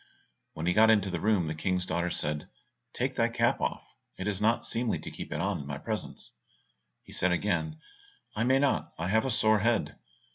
When he got into the room, the King's daughter said, "Take thy cap off, it is not seemly to keep it on in my presence." He again said, "I may not, I have a sore head."